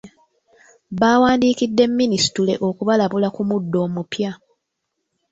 Bawandiikidde Minisitule okubalabula ku muddo omupya.